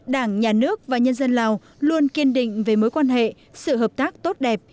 đảng nhà nước và nhân dân lào luôn kiên định về mối quan hệ sự hợp tác tốt đẹp